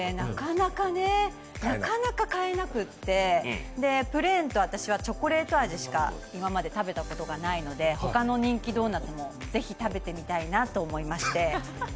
なかなか買えなくて、プレーンと私はチョコレート味しか今まで食べたことがないのでほかの人気ドーナツもぜひ食べてみたいなと思いまして。